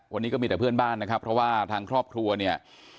วันนี้ก็มีแต่เพื่อนบ้านนะครับเพราะว่าทางครอบครัวเนี่ย